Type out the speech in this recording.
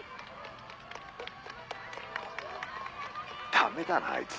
ダメだなあいつ。